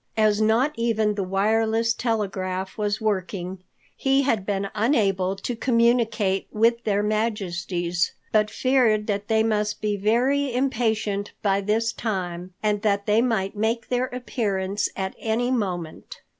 As not even the wireless telegraph was working, he had been unable to communicate with Their Majesties, but feared that they must be very impatient by this time and that they might make their appearance at any moment.